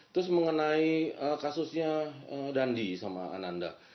terus mengenai kasusnya dandi sama ananda